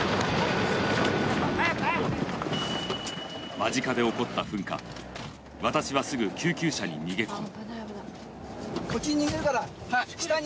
間近で起こった噴火、私はすぐ救急車に逃げ込む。